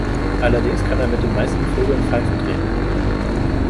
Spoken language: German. Allerdings kann er mit den meisten Vögeln pfeifend reden.